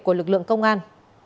của lực lượng công an